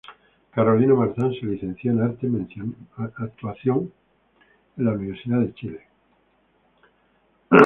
Carolina Marzán se licenció en Artes mención actuación en la Universidad de Chile.